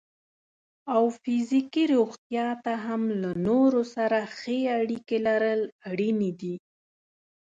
او فزیکي روغتیا ته هم له نورو سره ښې اړیکې لرل اړینې دي.